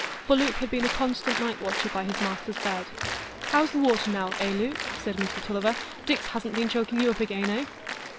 For Luke had been a constant night watcher by his master's bed. "How's the water now, eh, Luke?" said Mr Tulliver. "Dix hasn't been choking you up again, eh?"